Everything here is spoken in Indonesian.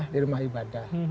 di rumah ibadah